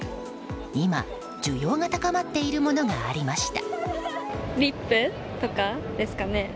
今、需要が高まっているものがありました。